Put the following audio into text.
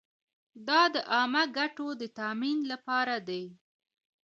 دا د عامه ګټو د تامین لپاره دی.